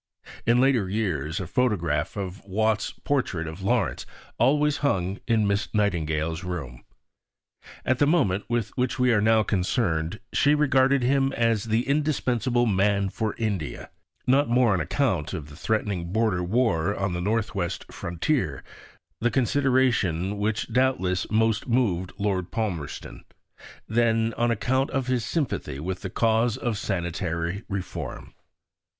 In later years a photograph of Watts's portrait of Lawrence always hung in Miss Nightingale's room. At the moment with which we are now concerned, she regarded him as the indispensable man for India, not more on account of the threatening border war on the north west frontier (the consideration which doubtless most moved Lord Palmerston), than on account of his sympathy with the cause of sanitary reform.